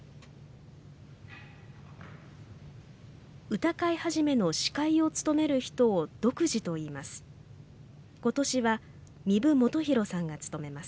歌会始の司会を務める人を読師といいます。